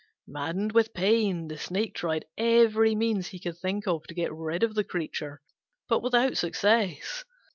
Maddened with pain the Snake tried every means he could think of to get rid of the creature, but without success.